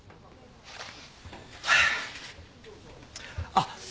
あっ。